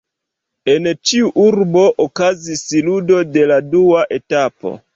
En ĉiu urbo okazis ludo de la dua etapo.